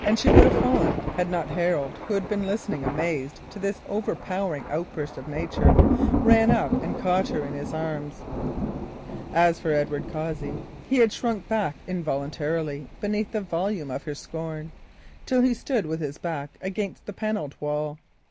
She would have fallen had not Harold, who had been listening amazed to this overpowering outburst of nature, run up and caught her in his arms. As for Edward Cossey, he had shrunk back involuntarily beneath the volume of her scorn, till he stood with his back against the panelled wall.